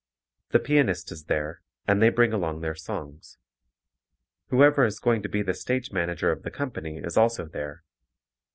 The pianist is there, and they bring along their songs. Whoever is going to be the stage manager of the company is also there.